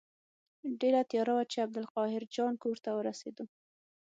ډېره تیاره وه چې عبدالقاهر جان کور ته ورسېدو.